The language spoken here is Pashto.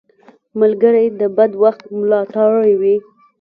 ملګری د بد وخت ملاتړی وي